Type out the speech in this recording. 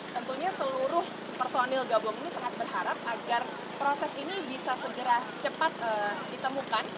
tentunya seluruh personil gabungan ini sangat berharap agar proses ini bisa segera cepat ditemukan